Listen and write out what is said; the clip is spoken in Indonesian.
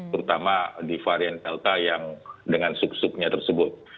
terutama di varian delta yang dengan sub subnya tersebut